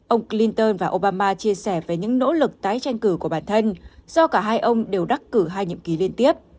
ông clinton và obama chia sẻ về những nỗ lực tái tranh cử của bản thân do cả hai ông đều đắc cử hai nhiệm kỳ liên tiếp